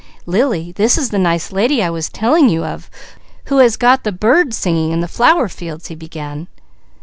"Lily, this is the nice lady I was telling you of who has got the bird singing and the flower fields " he began.